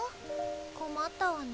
困ったわね。